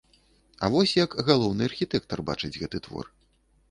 А вось як галоўны архітэктар бачыць гэты твор.